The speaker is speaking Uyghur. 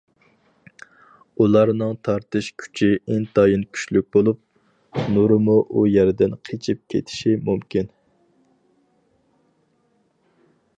ئۇلارنىڭ تارتىش كۈچى ئىنتايىن كۈچلۈك بولۇپ، نۇرىمۇ ئۇ يەردىن قېچىپ كېتىشى مۇمكىن.